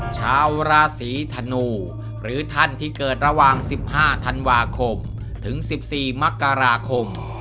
ชาวราศีธนูหรือท่านที่เกิดระหว่าง๑๕ธันวาคมถึง๑๔มกราคม